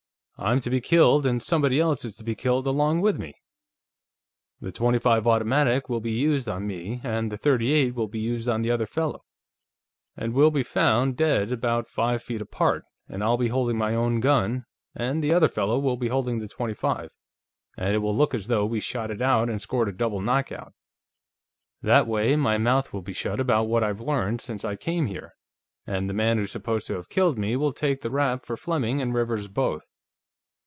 "I'm to be killed, and somebody else is to be killed along with me. The .25 automatic will be used on me, and the .38 will be used on the other fellow, and we'll be found dead about five feet apart, and I'll be holding my own gun, and the other fellow will be holding the .25, and it will look as though we shot it out and scored a double knockout. That way, my mouth will be shut about what I've learned since I came here, and the man who's supposed to have killed me will take the rap for Fleming and Rivers both.